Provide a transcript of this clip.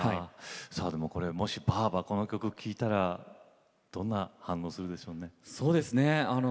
もし、ばあばこの曲、聴いたらどんな反応するでしょうね。